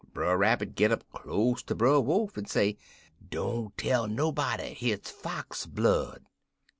"Brer Rabbit git up close ter Brer Wolf en say, 'Don't tell nobody. Hit's Fox blood.'